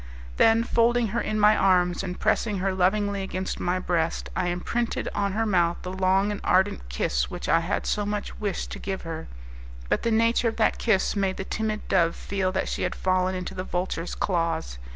Then folding her in my arms, and pressing her lovingly against my breast, I imprinted on her mouth the long and ardent kiss which I had so much wished to give her; but the nature of that kiss made the timid dove feel that she had fallen into the vulture's claws.